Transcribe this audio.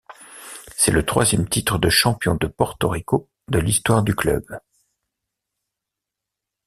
C’est le troisième titre de champion de Porto Rico de l'histoire du club.